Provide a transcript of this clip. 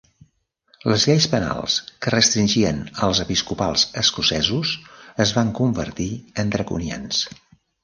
Les lleis penals que restringien als episcopals escocesos es van convertir en draconians.